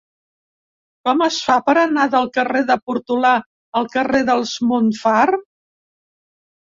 Com es fa per anar del carrer de Portolà al carrer dels Montfar?